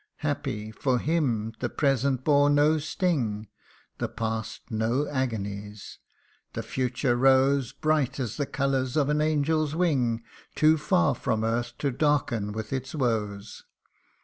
Happy ! for him the present bore no sting, The past no agonies : the future rose, Bright as the colours of an angel's wing Too far from earth to darken with its woes.